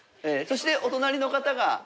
そしてお隣の方が？